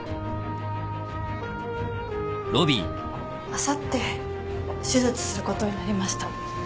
あさって手術することになりました。